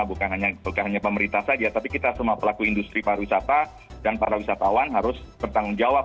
bukan hanya pemerintah saja tapi kita semua pelaku industri pariwisata dan para wisatawan harus bertanggung jawab